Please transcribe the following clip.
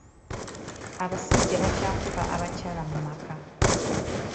Abasajja bakyakuba abakyala mu maka.